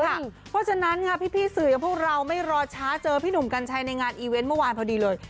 เพราะฉะนั้นค่ะพี่สื่ออย่างพวกเราไม่รอช้าเจอพี่หนุ่มกัญชัยในงานอีเวนต์เมื่อวานพอดีเลย